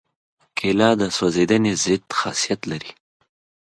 کېله د سوځېدنې ضد خاصیت لري.